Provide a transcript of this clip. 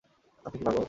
আপনি কি পাগল?